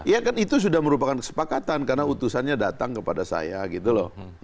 ya kan itu sudah merupakan kesepakatan karena utusannya datang kepada saya gitu loh